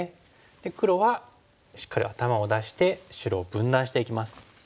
で黒はしっかり頭を出して白を分断していきます。